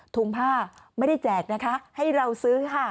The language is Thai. ถุงผ้าไม่ได้แจกนะคะให้เราซื้อค่ะ